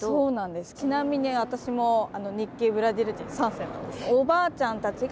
ちなみに私も日系ブラジル人３世なんです。